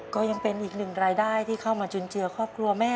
ก็ยังเป็นอีกหนึ่งรายได้ที่เข้ามาจุนเจือครอบครัวแม่